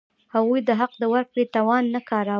هغوی د حق د ورکړې توان نه کاراوه.